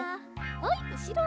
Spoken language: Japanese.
はいうしろ。